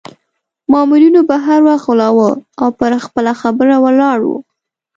مامورینو به هر وخت غولاوه او پر خپله خبره ولاړ وو.